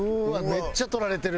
めっちゃ取られてる。